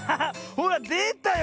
ほらでたよ